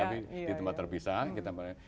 tapi di tempat terpisah